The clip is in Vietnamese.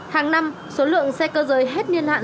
hàng năm số lượng xe cơ rời hết nhiên hạn